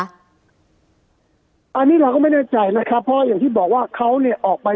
อันนี้เราก็ไม่แน่ใจนะครับเพราะอย่างที่บอกว่าเขาเนี่ยออกไป